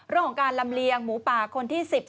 โรงการลำเลียงหมูป่าคนที่๑๐๑๑